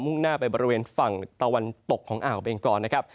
่งหน้าไปบริเวณฝั่งตะวันตกของอ่าวเบงกรนะครับ